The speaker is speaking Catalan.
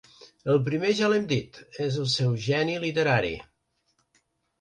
El primer ja l’hem dit: és el seu geni literari.